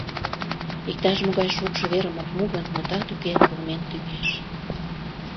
Иктаж-могай шокшо верым ок му гын, мутат уке, кылмен тӱҥеш.